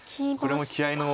これも気合いの。